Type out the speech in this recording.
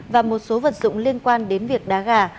và một số vật dụng liên quan đến việc đá gà